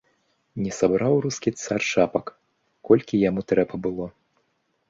Не сабраў рускі цар шапак, колькі яму трэба было.